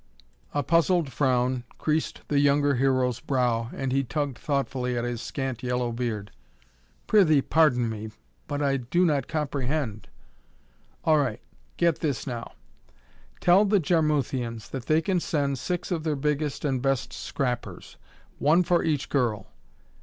A puzzled frown creased the younger Hero's brow and he tugged thoughtfully at his scant yellow beard. "Prithee pardon me, but I do not comprehend." "All right, get this now! Tell the Jarmuthians that they can send six of their biggest and best scrappers, one for each girl.